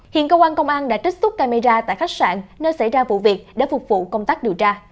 hiện cơ quan công an đã trích xuất camera tại khách sạn nơi xảy ra vụ việc để phục vụ công tác điều tra